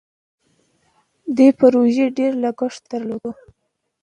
دې پروژې ډیر لګښت درلود.